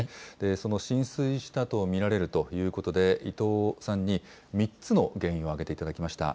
その浸水したと見られるということで、伊藤さんに３つの原因を挙げていただきました。